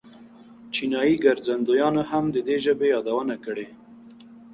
چینایي ګرځندویانو هم د دې ژبې یادونه کړې.